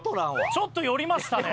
ちょっと寄りましたね。